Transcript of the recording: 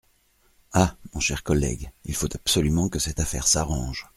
Ah ! mon cher collègue, il faut absolument que cette affaire s'arrange.